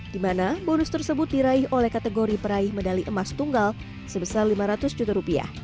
di mana bonus tersebut diraih oleh kategori peraih medali emas tunggal sebesar lima ratus juta rupiah